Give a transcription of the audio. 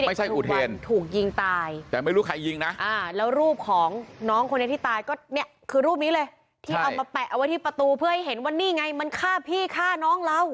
ไม่ใช่อุทเทนถูกยิงตายแต่ไม่รู้ใครยิงนะ